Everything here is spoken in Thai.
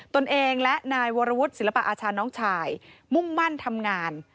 ตนเองและนายวรวุฒิศิลปะอาชาน้องชายมุ่งมั่นทำงาน